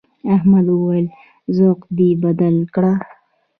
احمد وويل: ذوق دې بدل کړه.